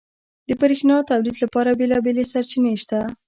• د برېښنا تولید لپاره بېلابېلې سرچینې شته.